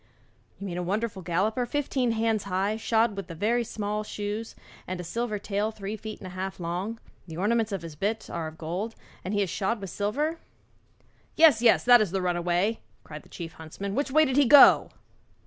'You mean a wonderful galloper fifteen hands high, shod with very small shoes, and with a tail three feet and a half long? The ornaments of his bit are of gold and he is shod with silver?' 'Yes, yes, that is the runaway,' cried the chief huntsman; 'which way did he go?'